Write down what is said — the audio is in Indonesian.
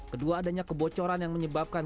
kedua adanya kebocoran yang menyebabkan